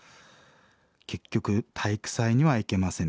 結局体育祭には行けませんでした。